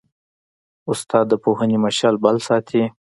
استاد د پوهنې مشعل بل ساتي.